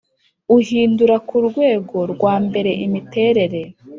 uhindura ku rwego rwa mbere imiterere